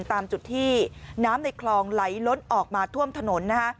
ตามจุดที่น้ำในคลองไหลล้นออกมาท่วมถนนนะฮะ